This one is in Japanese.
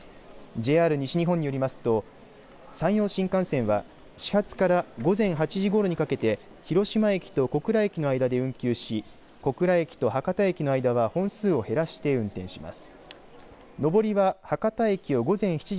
ＪＲ西日本によりますと山陽新幹線は始発から午前８時ごろにかけて広島駅と小倉駅の間で運休し小倉駅と博多駅の間は本数を減らして運転します。